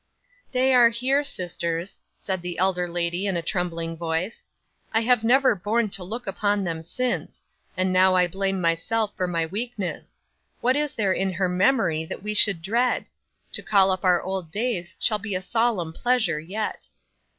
'"They are here, sisters," said the elder lady in a trembling voice. "I have never borne to look upon them since, and now I blame myself for my weakness. What is there in her memory that we should dread? To call up our old days shall be a solemn pleasure yet."